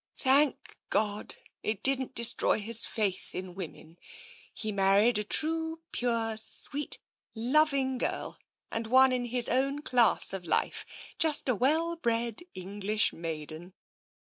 "Thank God, it didn't destroy his faith in women. He married a true, pure, sweet, loving girl — and one in his own class of life — just a well bred English maiden."